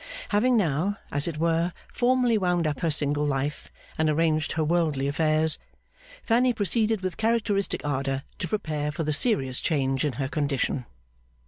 Having now, as it were, formally wound up her single life and arranged her worldly affairs, Fanny proceeded with characteristic ardour to prepare for the serious change in her condition.